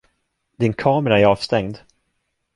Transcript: Din kamera är avstängd.